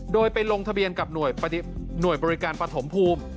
โดยไปลงทะเบียนกับหน่วยบริการปฐมภูมิ